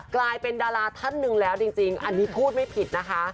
กลายเป็นดาราท่านหนึ่งแล้วจริงอันนี้พูดไม่ผิดนะคะ